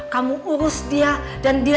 kamu urus dia